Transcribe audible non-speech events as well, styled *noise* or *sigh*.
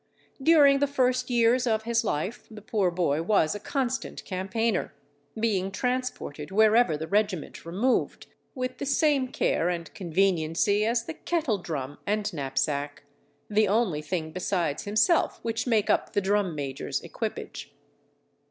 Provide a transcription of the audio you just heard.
During the first years of his life the poor boy was a constant campaigner, being transported wherever the regiment removed, with the same care and conveniency as the kettle *noise* and knapsack, the only thing besides himself which make up the drum major's equipage.